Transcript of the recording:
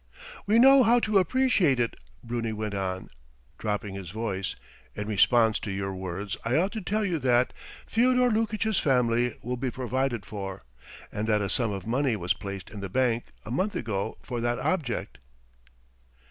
"We know how to appreciate it," Bruni went on, dropping his voice. "In response to your words I ought to tell you that ... Fyodor Lukitch's family will be provided for and that a sum of money was placed in the bank a month ago for that object."